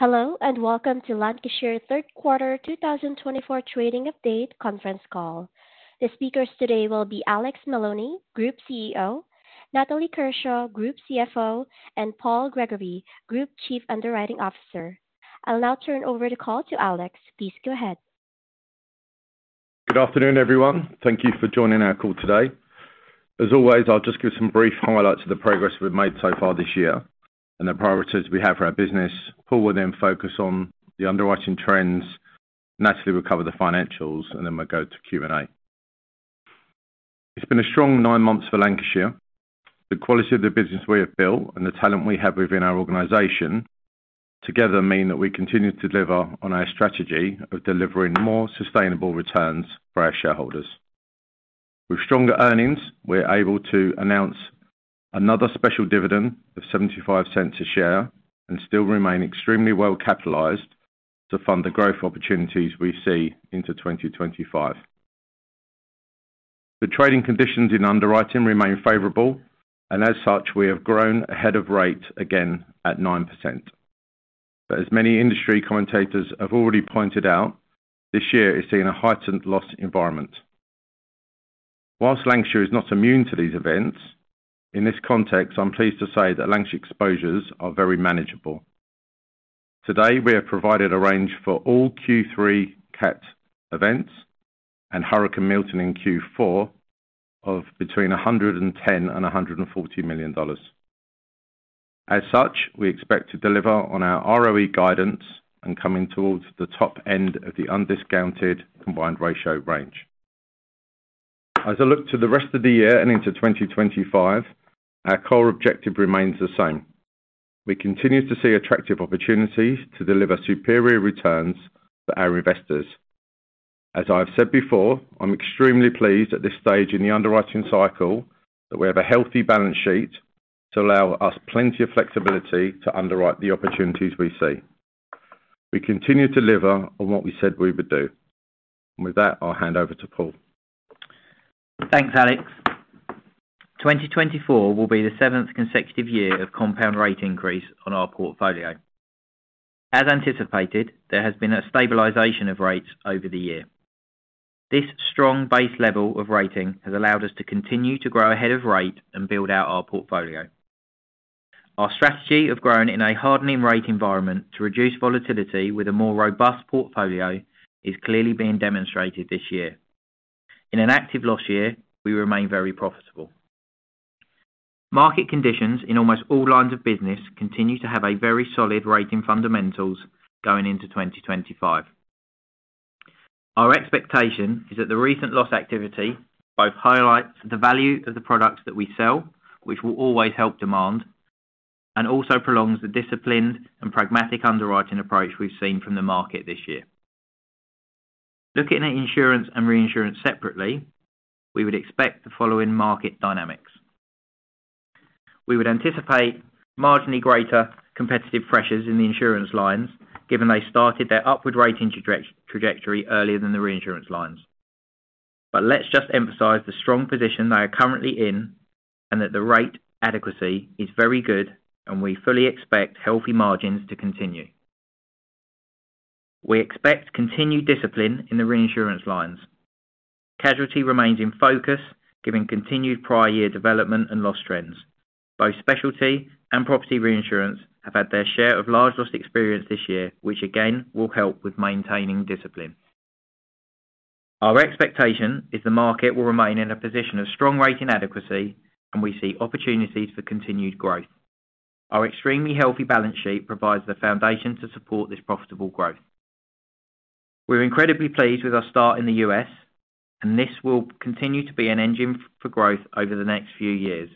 Hello, and welcome to Lancashire third quarter 2024 Trading Update conference call. The speakers today will be Alex Maloney, Group CEO, Natalie Kershaw, Group CFO, and Paul Gregory, Group Chief Underwriting Officer. I'll now turn over the call to Alex. Please go ahead. Good afternoon, everyone. Thank you for joining our call today. As always, I'll just give some brief highlights of the progress we've made so far this year and the priorities we have for our business. Paul will then focus on the underwriting trends. Natalie will cover the financials, and then we'll go to Q&A. It's been a strong nine months for Lancashire. The quality of the business we have built and the talent we have within our organization together mean that we continue to deliver on our strategy of delivering more sustainable returns for our shareholders. With stronger earnings, we're able to announce another special dividend of $0.75 a share and still remain extremely well-capitalized to fund the growth opportunities we see into 2025. The trading conditions in underwriting remain favorable, and as such, we have grown ahead of rate again at 9%. But as many industry commentators have already pointed out, this year is seeing a heightened loss environment. While Lancashire is not immune to these events, in this context, I'm pleased to say that Lancashire exposures are very manageable. Today, we have provided a range for all Q3 CAT events and Hurricane Milton in Q4 of between $110 million and $140 million. As such, we expect to deliver on our ROE guidance and coming towards the top end of the undiscounted combined ratio range. As I look to the rest of the year and into 2025, our core objective remains the same. We continue to see attractive opportunities to deliver superior returns for our investors. As I have said before, I'm extremely pleased at this stage in the underwriting cycle that we have a healthy balance sheet to allow us plenty of flexibility to underwrite the opportunities we see. We continue to deliver on what we said we would do, and with that, I'll hand over to Paul. Thanks, Alex. 2024 will be the seventh consecutive year of compound rate increase on our portfolio. As anticipated, there has been a stabilization of rates over the year. This strong base level of rating has allowed us to continue to grow ahead of rate and build out our portfolio. Our strategy of growing in a hardening rate environment to reduce volatility with a more robust portfolio is clearly being demonstrated this year. In an active loss year, we remain very profitable. Market conditions in almost all lines of business continue to have very solid rating fundamentals going into 2025. Our expectation is that the recent loss activity both highlights the value of the products that we sell, which will always help demand, and also prolongs the disciplined and pragmatic underwriting approach we've seen from the market this year. Looking at insurance and reinsurance separately, we would expect the following market dynamics. We would anticipate marginally greater competitive pressures in the insurance lines, given they started their upward rating trajectory earlier than the reinsurance lines. But let's just emphasize the strong position they are currently in and that the rate adequacy is very good, and we fully expect healthy margins to continue. We expect continued discipline in the reinsurance lines. Casualty remains in focus, given continued prior year development and loss trends. Both specialty and property reinsurance have had their share of large loss experience this year, which again will help with maintaining discipline. Our expectation is the market will remain in a position of strong rating adequacy, and we see opportunities for continued growth. Our extremely healthy balance sheet provides the foundation to support this profitable growth. We're incredibly pleased with our start in the U.S., and this will continue to be an engine for growth over the next few years.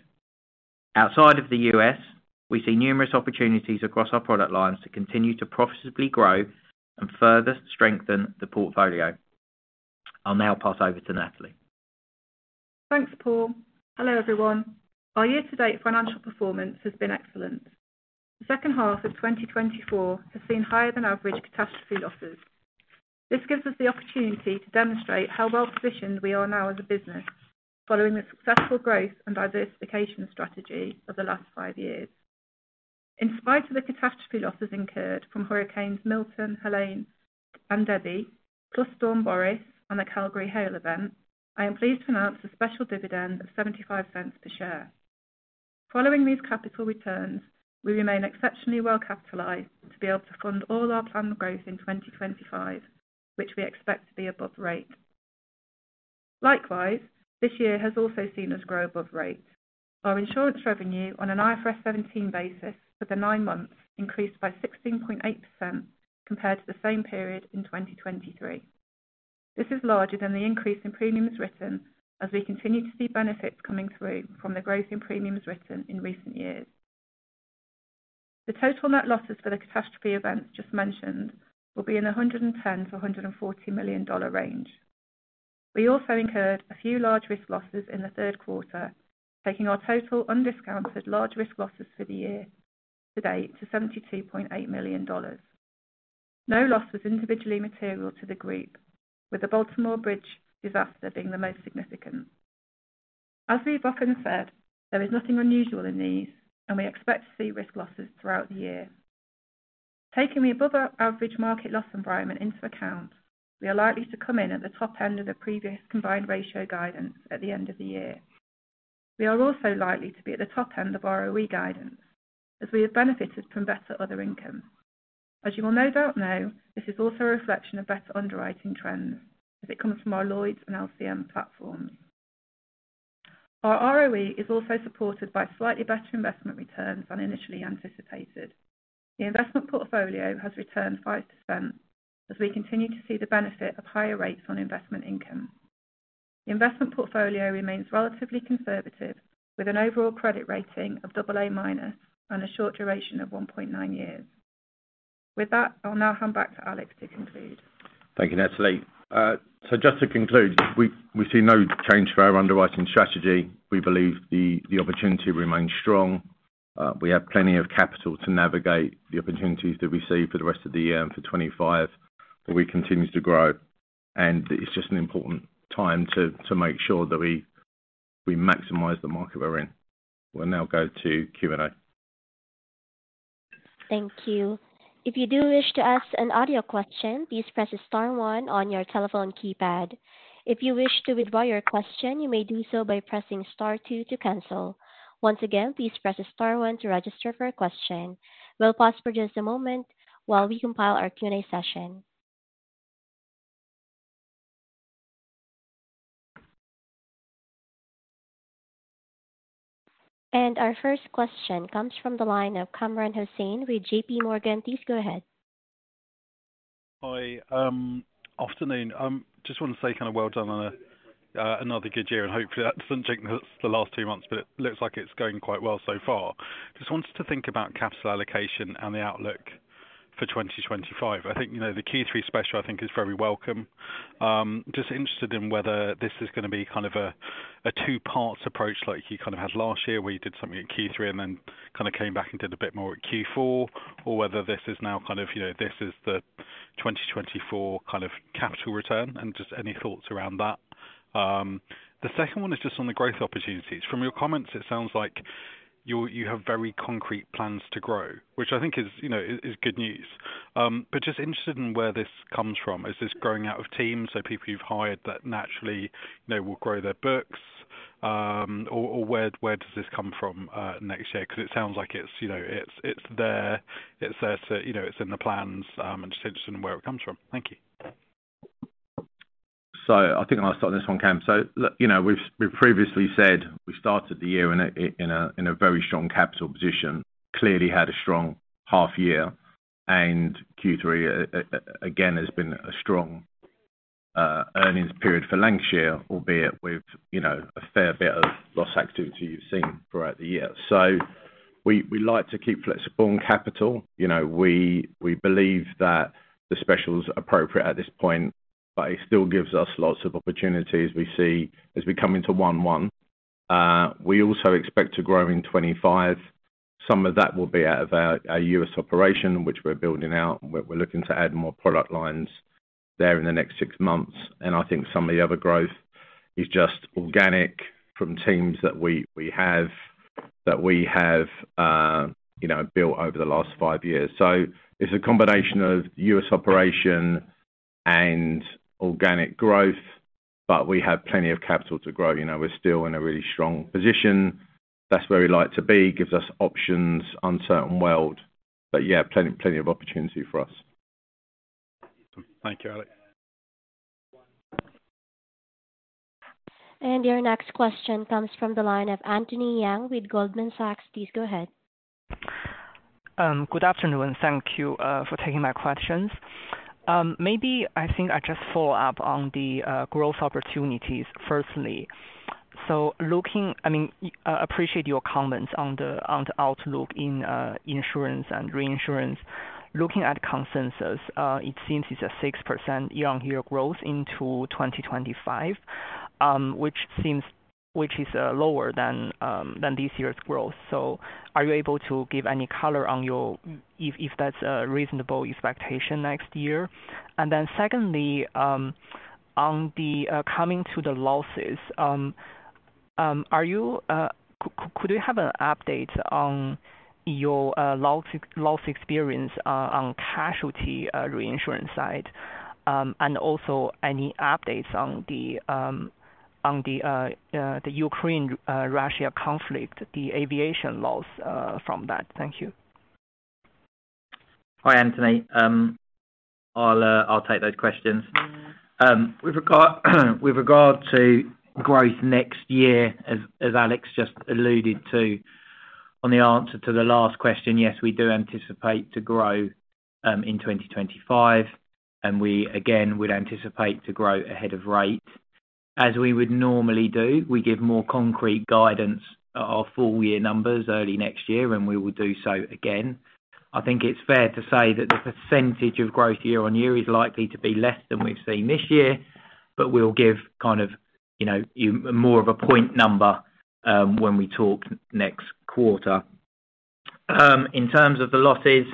Outside of the U.S., we see numerous opportunities across our product lines to continue to profitably grow and further strengthen the portfolio. I'll now pass over to Natalie. Thanks, Paul. Hello, everyone. Our year-to-date financial performance has been excellent. The second half of 2024 has seen higher-than-average catastrophe losses. This gives us the opportunity to demonstrate how well-positioned we are now as a business, following the successful growth and diversification strategy of the last five years. In spite of the catastrophe losses incurred from Hurricanes Milton, Helene, and Debby, plus Storm Boris and the Calgary hail event, I am pleased to announce a special dividend of $0.75 per share. Following these capital returns, we remain exceptionally well-capitalized to be able to fund all our planned growth in 2025, which we expect to be above rate. Likewise, this year has also seen us grow above rate. Our insurance revenue on an IFRS 17 basis for the nine months increased by 16.8% compared to the same period in 2023. This is larger than the increase in premiums written, as we continue to see benefits coming through from the growth in premiums written in recent years. The total net losses for the catastrophe events just mentioned will be in the $110 million-$140 million range. We also incurred a few large risk losses in the third quarter, taking our total undiscounted large risk losses for the year to date to $72.8 million. No loss was individually material to the group, with the Baltimore Bridge disaster being the most significant. As we've often said, there is nothing unusual in these, and we expect to see risk losses throughout the year. Taking the above-average market loss environment into account, we are likely to come in at the top end of the previous combined ratio guidance at the end of the year. We are also likely to be at the top end of ROE guidance, as we have benefited from better other income. As you will no doubt know, this is also a reflection of better underwriting trends, as it comes from our Lloyd’s and LCM platforms. Our ROE is also supported by slightly better investment returns than initially anticipated. The investment portfolio has returned 5%, as we continue to see the benefit of higher rates on investment income. The investment portfolio remains relatively conservative, with an overall credit rating of AA minus and a short duration of 1.9 years. With that, I'll now hand back to Alex to conclude. Thank you, Natalie. So just to conclude, we see no change to our underwriting strategy. We believe the opportunity remains strong. We have plenty of capital to navigate the opportunities that we see for the rest of the year and for 2025, where we continue to grow. And it's just an important time to make sure that we maximize the market we're in. We'll now go to Q&A. Thank you. If you do wish to ask an audio question, please press star one on your telephone keypad. If you wish to withdraw your question, you may do so by pressing Star 2 to cancel. Once again, please press Star 1 to register for a question. We'll pause for just a moment while we compile our Q&A session. And our first question comes from the line of Kamran Hossain with JPMorgan. Please go ahead. Hi. Afternoon. I just want to say kind of well done on another good year, and hopefully that doesn't take the last two months, but it looks like it's going quite well so far. Just wanted to think about capital allocation and the outlook for 2025. I think the Q3 special, I think, is very welcome. Just interested in whether this is going to be kind of a two-part approach like you kind of had last year, where you did something at Q3 and then kind of came back and did a bit more at Q4, or whether this is now kind of this is the 2024 kind of capital return, and just any thoughts around that. The second one is just on the growth opportunities. From your comments, it sounds like you have very concrete plans to grow, which I think is good news. But just interested in where this comes from. Is this growing out of teams? So people you've hired that naturally will grow their books, or where does this come from next year? Because it sounds like it's there. It's there, too. It's in the plans, and just interested in where it comes from. Thank you. So I think I'll start on this one, Kam. So we've previously said we started the year in a very strong capital position, clearly had a strong half-year, and Q3, again, has been a strong earnings period for Lancashire, albeit with a fair bit of loss activity you've seen throughout the year. So we like to keep flexible on capital. We believe that the special's appropriate at this point, but it still gives us lots of opportunities we see as we come into 2025. We also expect to grow in 2025. Some of that will be out of our U.S. operation, which we're building out, and we're looking to add more product lines there in the next six months. And I think some of the other growth is just organic from teams that we have built over the last five years. So it's a combination of U.S. operation and organic growth, but we have plenty of capital to grow. We're still in a really strong position. That's where we like to be. It gives us options, uncertain world, but yeah, plenty of opportunity for us. Thank you, Alex. Your next question comes from the line of Anthony Yang with Goldman Sachs. Please go ahead. Good afternoon. Thank you for taking my questions. Maybe I think I just follow up on the growth opportunities firstly. So looking, I mean, I appreciate your comments on the outlook in insurance and reinsurance. Looking at consensus, it seems it's a 6% year-on-year growth into 2025, which is lower than this year's growth. So are you able to give any color on your if that's a reasonable expectation next year? And then secondly, on the coming to the losses, could you have an update on your loss experience on casualty reinsurance side? And also any updates on the Ukraine-Russia conflict, the aviation loss from that? Thank you. Hi, Anthony. I'll take those questions. With regard to growth next year, as Alex just alluded to on the answer to the last question, yes, we do anticipate to grow in 2025, and we, again, would anticipate to grow ahead of rate. As we would normally do, we give more concrete guidance on our full-year numbers early next year, and we will do so again. I think it's fair to say that the percentage of growth year-on-year is likely to be less than we've seen this year, but we'll give kind of more of a point number when we talk next quarter. In terms of the losses,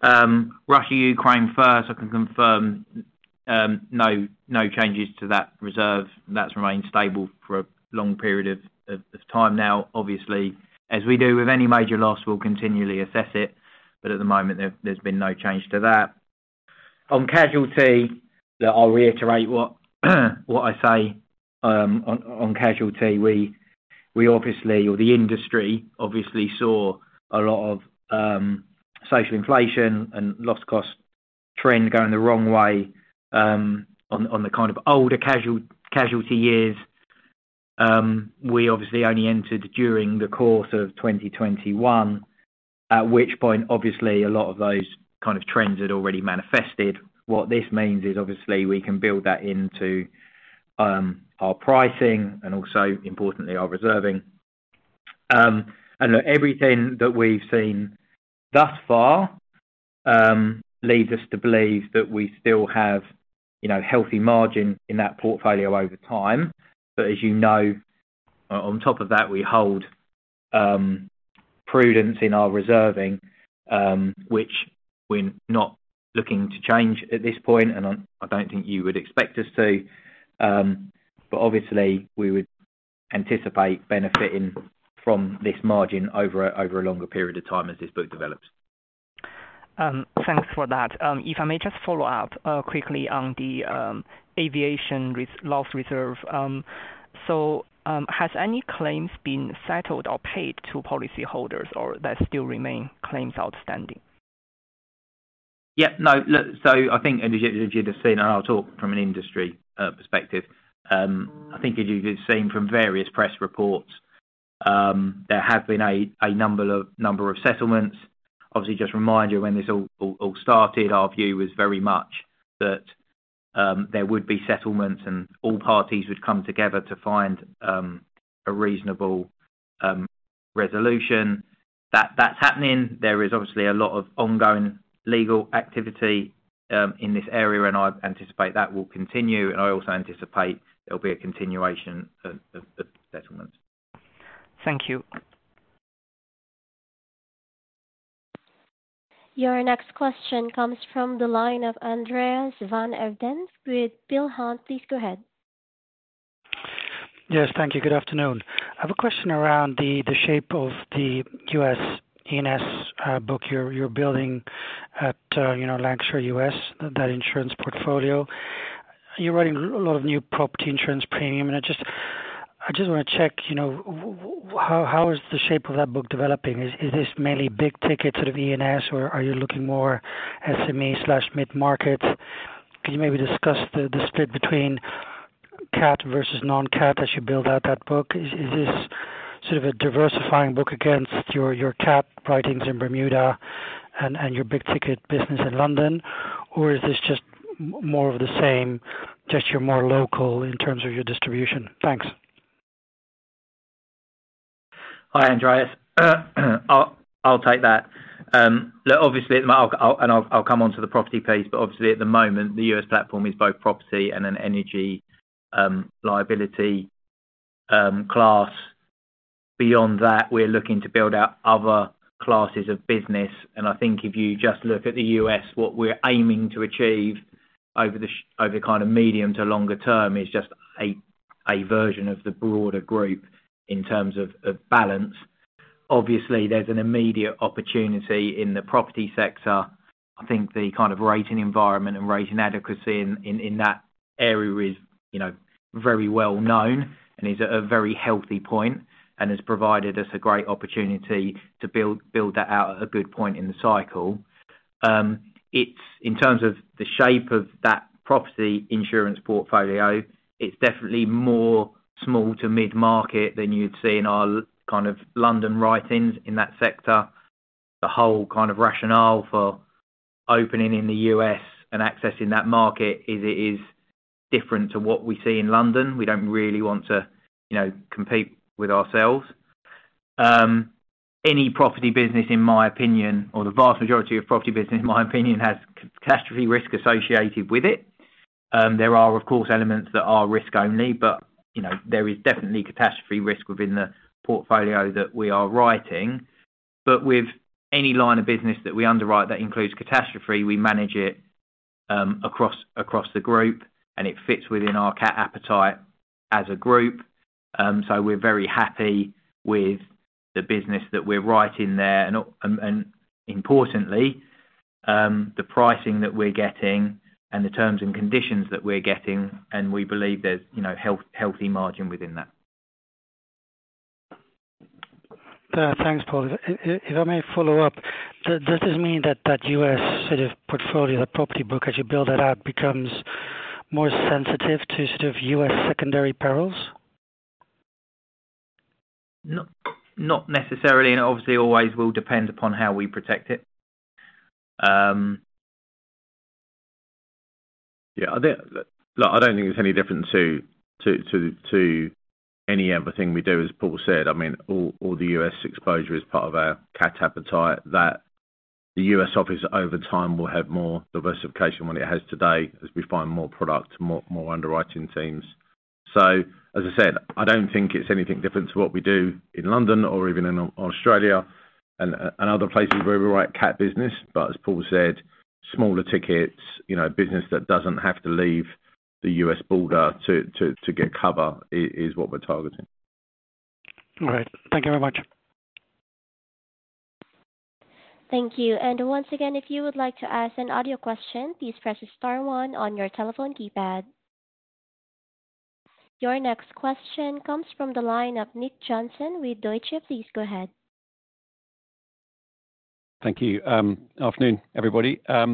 Russia-Ukraine first, I can confirm no changes to that reserve. That's remained stable for a long period of time now. Obviously, as we do with any major loss, we'll continually assess it, but at the moment, there's been no change to that. On casualty, I'll reiterate what I say. On casualty, we obviously, or the industry obviously saw a lot of social inflation and loss cost trend going the wrong way on the kind of older casualty years. We obviously only entered during the course of 2021, at which point, obviously, a lot of those kind of trends had already manifested. What this means is, obviously, we can build that into our pricing and also, importantly, our reserving, and everything that we've seen thus far leads us to believe that we still have healthy margin in that portfolio over time. But as you know, on top of that, we hold prudence in our reserving, which we're not looking to change at this point, and I don't think you would expect us to. But obviously, we would anticipate benefiting from this margin over a longer period of time as this book develops. Thanks for that. If I may just follow up quickly on the aviation loss reserve. So has any claims been settled or paid to policyholders, or do they still remain claims outstanding? Yeah. No. So I think, as you'd have seen, and I'll talk from an industry perspective, I think, as you've seen from various press reports, there have been a number of settlements. Obviously, just a reminder, when this all started, our view was very much that there would be settlements and all parties would come together to find a reasonable resolution. That's happening. There is obviously a lot of ongoing legal activity in this area, and I anticipate that will continue, and I also anticipate there'll be a continuation of settlements. Thank you. Your next question comes from the line of Andreas van Embden with Peel Hunt. Please go ahead. Yes. Thank you. Good afternoon. I have a question around the shape of the U.S. E&S book you're building at Lancashire U.S., that insurance portfolio. You're writing a lot of new property insurance premium, and I just want to check how is the shape of that book developing? Is this mainly big ticket sort of E&S, or are you looking more SME/mid-market? Can you maybe discuss the split between CAT versus non-CAT as you build out that book? Is this sort of a diversifying book against your CAT writings in Bermuda and your big ticket business in London, or is this just more of the same, just you're more local in terms of your distribution? Thanks. Hi, Andreas. I'll take that. Obviously, and I'll come on to the property piece, but obviously, at the moment, the U.S. platform is both property and an energy liability class. Beyond that, we're looking to build out other classes of business. And I think if you just look at the U.S., what we're aiming to achieve over the kind of medium to longer term is just a version of the broader group in terms of balance. Obviously, there's an immediate opportunity in the property sector. I think the kind of rating environment and rating adequacy in that area is very well known and is at a very healthy point and has provided us a great opportunity to build that out at a good point in the cycle. In terms of the shape of that property insurance portfolio, it's definitely more small to mid-market than you'd see in our kind of London writings in that sector. The whole kind of rationale for opening in the U.S. and accessing that market is it is different to what we see in London. We don't really want to compete with ourselves. Any property business, in my opinion, or the vast majority of property business, in my opinion, has catastrophe risk associated with it. There are, of course, elements that are risk-only, but there is definitely catastrophe risk within the portfolio that we are writing. But with any line of business that we underwrite that includes catastrophe, we manage it across the group, and it fits within our CAT appetite as a group. So we're very happy with the business that we're writing there. Importantly, the pricing that we're getting and the terms and conditions that we're getting, and we believe there's healthy margin within that. Thanks, Paul. If I may follow up, does this mean that that U.S. sort of portfolio, that property book, as you build that out, becomes more sensitive to sort of U.S. secondary perils? Not necessarily, and obviously, it always will depend upon how we protect it. Yeah. I don't think there's any difference to any other thing we do, as Paul said. I mean, all the U.S. exposure is part of our CAT appetite. The U.S. office, over time, will have more diversification than it has today as we find more product, more underwriting teams. So as I said, I don't think it's anything different to what we do in London or even in Australia and other places where we write CAT business. But as Paul said, smaller tickets, business that doesn't have to leave the U.S. border to get cover is what we're targeting. All right. Thank you very much. Thank you. And once again, if you would like to ask an audio question, please press star one on your telephone keypad. Your next question comes from the line of Nick Johnson with Deutsche. Please go ahead. Thank you. Afternoon, everybody. Thanks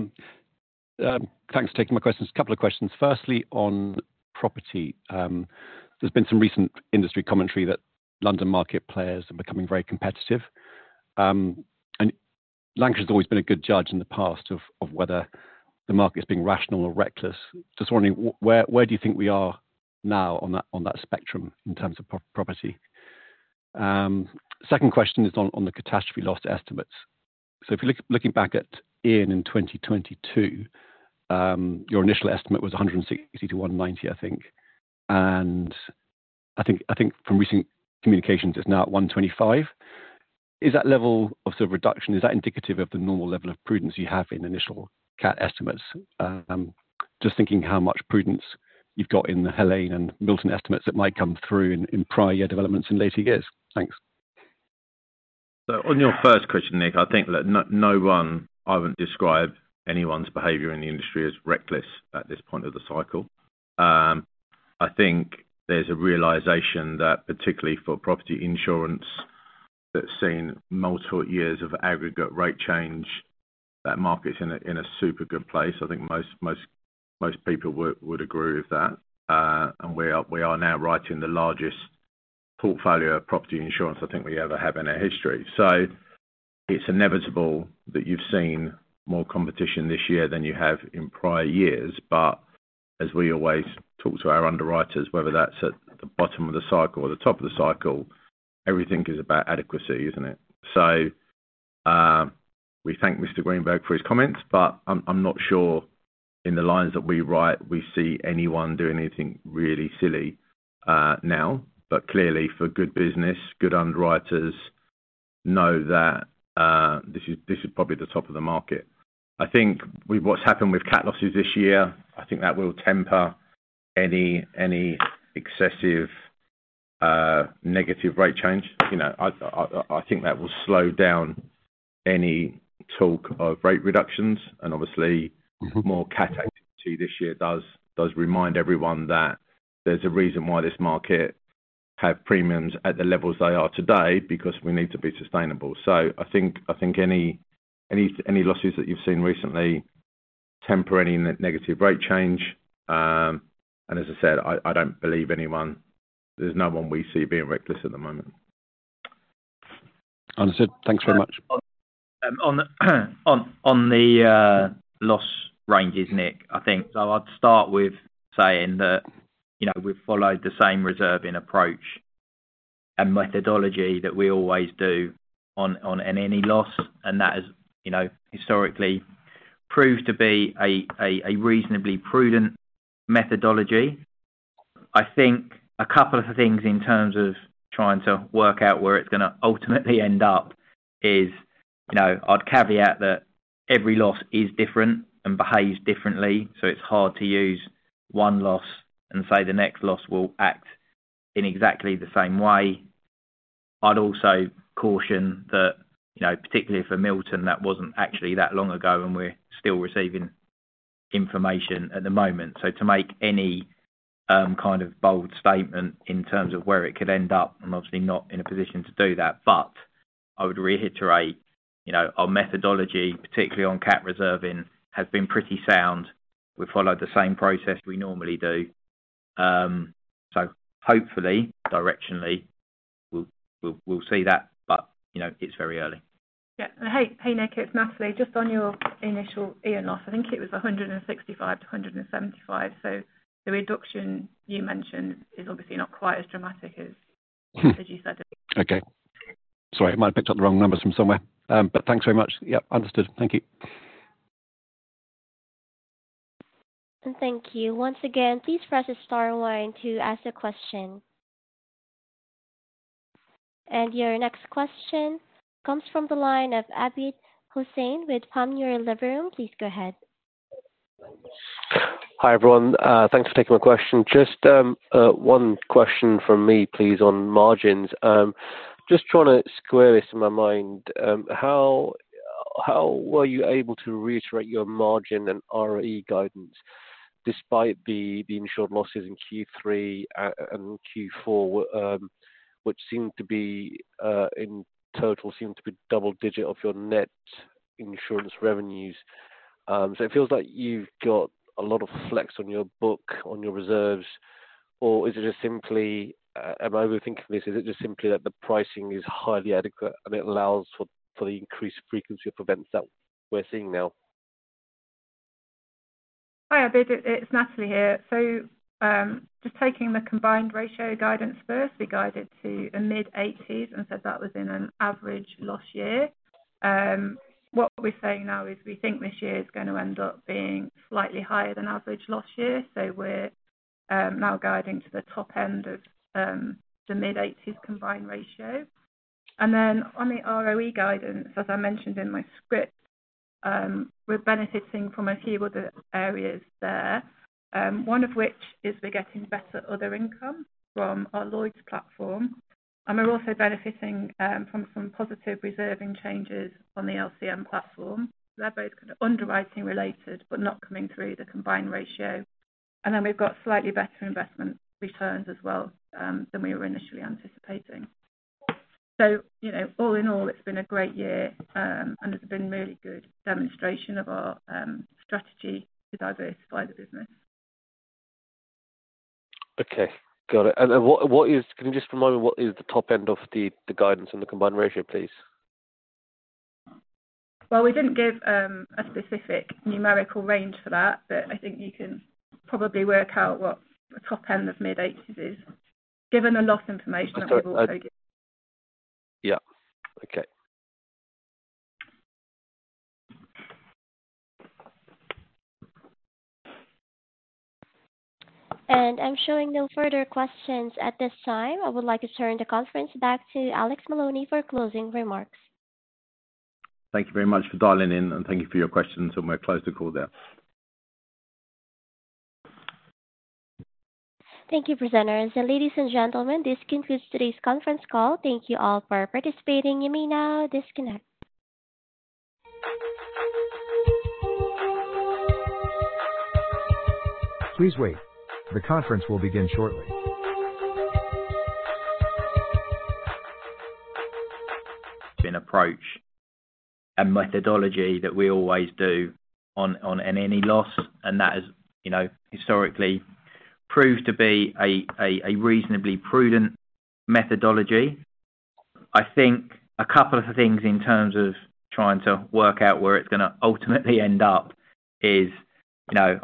for taking my questions. A couple of questions. Firstly, on property, there's been some recent industry commentary that London market players are becoming very competitive. And Lancashire has always been a good judge in the past of whether the market is being rational or reckless. Just wondering, where do you think we are now on that spectrum in terms of property? Second question is on the catastrophe loss estimates. So if you're looking back at Ian in 2022, your initial estimate was 160-190, I think. And I think from recent communications, it's now at 125. Is that level of sort of reduction, is that indicative of the normal level of prudence you have in initial CAT estimates? Just thinking how much prudence you've got in the Helene and Milton estimates that might come through in prior year developments in later years. Thanks. So, on your first question, Nick, I think no one. I wouldn't describe anyone's behavior in the industry as reckless at this point of the cycle. I think there's a realization that, particularly for property insurance, that's seen multiple years of aggregate rate change, that market's in a super good place. I think most people would agree with that. And we are now writing the largest portfolio of property insurance I think we ever have in our history. So it's inevitable that you've seen more competition this year than you have in prior years. But as we always talk to our underwriters, whether that's at the bottom of the cycle or the top of the cycle, everything is about adequacy, isn't it? So we thank Mr. Greenberg for his comments, but I'm not sure, in the lines that we write, we see anyone do anything really silly now. But clearly, for good business, good underwriters know that this is probably the top of the market. I think what's happened with CAT losses this year, I think that will temper any excessive negative rate change. I think that will slow down any talk of rate reductions. And obviously, more CAT activity this year does remind everyone that there's a reason why this market has premiums at the levels they are today because we need to be sustainable. So I think any losses that you've seen recently temper any negative rate change. And as I said, I don't believe anyone, there's no one we see being reckless at the moment. Understood. Thanks very much. On the loss ranges, Nick, I think I'd start with saying that we've followed the same reserving approach and methodology that we always do on any loss. And that has historically proved to be a reasonably prudent methodology. I think a couple of things in terms of trying to work out where it's going to ultimately end up is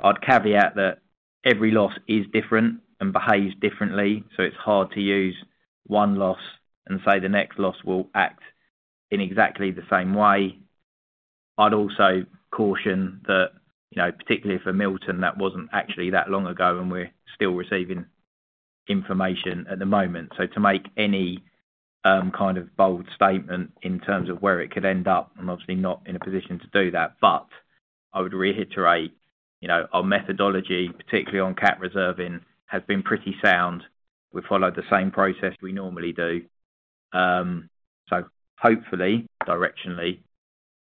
I'd caveat that every loss is different and behaves differently. So it's hard to use one loss and say the next loss will act in exactly the same way. I'd also caution that, particularly for Milton, that wasn't actually that long ago, and we're still receiving information at the moment. So to make any kind of bold statement in terms of where it could end up, I'm obviously not in a position to do that. But I would reiterate our methodology, particularly on CAT reserving, has been pretty sound. We've followed the same process we normally do, so hopefully, directionally,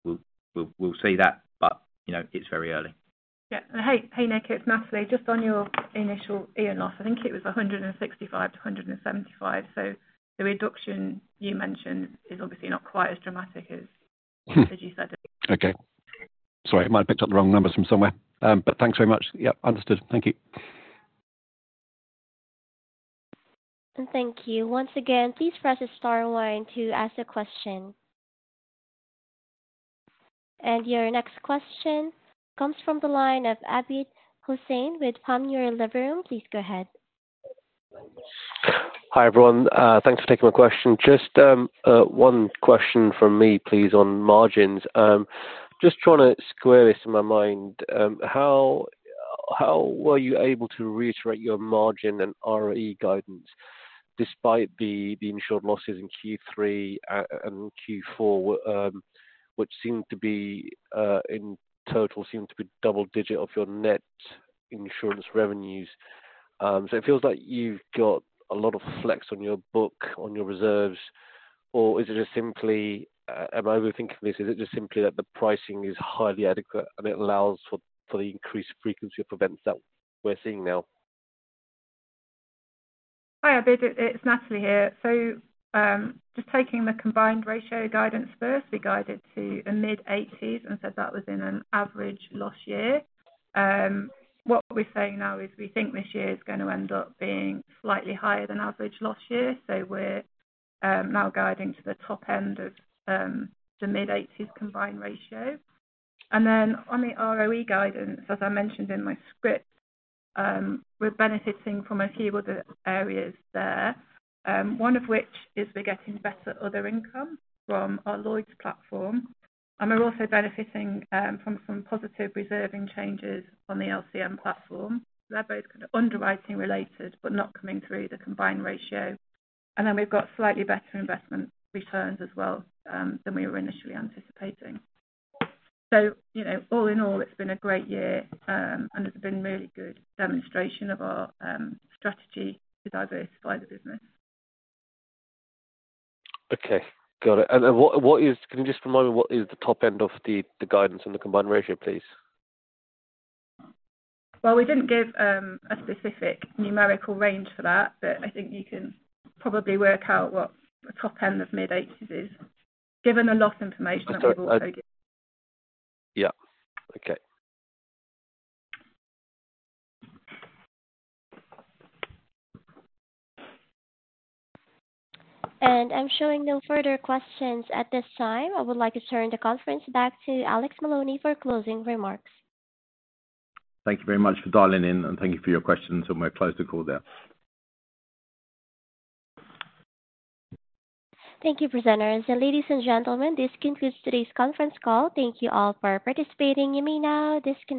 we'll see that, but it's very early. Yeah. Hey, Nick, it's Natalie. Just on your initial Ian loss, I think it was 165-175. So the reduction you mentioned is obviously not quite as dramatic as you said. Okay. Sorry, I might have picked up the wrong numbers from somewhere. But thanks very much. Yeah. Understood. Thank you. Thank you. Once again, please press star one to ask a question. And your next question comes from the line of Abid Hussain with Panmure Liberum. Please go ahead. Hi everyone. Thanks for taking my question. Just one question from me, please, on margins. Just trying to square this in my mind. How were you able to reiterate your margin and ROE guidance despite the insured losses in Q3 and Q4, which seemed to be in total double-digit of your net insurance revenues? So it feels like you've got a lot of flex on your book, on your reserves. Or is it just simply, am I overthinking this? Is it just simply that the pricing is highly adequate and it allows for the increased frequency of events that we're seeing now? Hi, Abid. It's Natalie here. one of which is we're getting better other income from our Lloyd’s platform. And we're also benefiting from some positive reserving changes on the LCM platform. They're both kind of underwriting related but not coming through the combined ratio. And then we've got slightly better investment returns as well than we were initially anticipating. So all in all, it's been a great year, and it's been a really good demonstration of our strategy to diversify the business. Okay. Got it. And can you just remind me, what is the top end of the guidance on the combined ratio, please? We didn't give a specific numerical range for that, but I think you can probably work out what the top end of mid-80s is given the loss information that we've also given. Yeah. Okay. I'm showing no further questions at this time. I would like to turn the conference back to Alex Maloney for closing remarks. Thank you very much for dialing in, and thank you for your questions, and we're close to call there. Thank you, presenters. And ladies and gentlemen, this concludes today's conference call. Thank you all for participating. You may now disconnect.